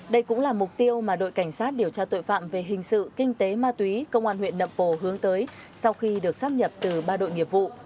đây cũng là mục tiêu mà đội cảnh sát điều tra tội phạm về hình sự kinh tế ma túy công an huyện nậm pồ hướng tới sau khi được sắp nhập từ ba đội nghiệp vụ